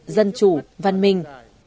dân chủ văn minh